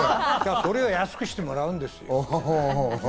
それを安くしてもらうんですよ。